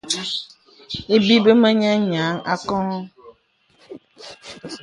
Ibi bə mə nyə nyèaŋ akɔŋɔ.